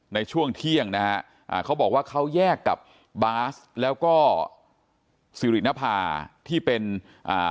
ในช่วงเที่ยงนะฮะอ่าเขาบอกว่าเขาแยกกับบาสแล้วก็สิรินภาที่เป็นอ่า